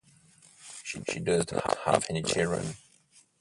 She does not have any children.